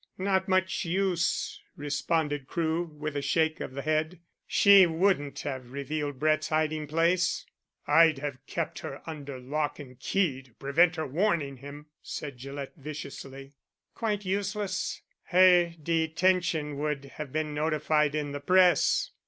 "Not much use," responded Crewe, with a shake of the head. "She wouldn't have revealed Brett's hiding place." "I'd have kept her under lock and key to prevent her warning him," said Gillett viciously. "Quite useless. Her detention would have been notified in the press.